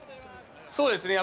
そうですね。